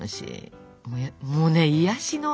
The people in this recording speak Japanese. もうね癒やしの。